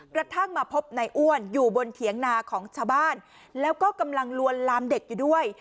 กระทั่งมาพบในอ้วนอยู่บนเถียงนาของชาวบ้านแล้วก็กำลังลวนลามเด็กอยู่ด้วย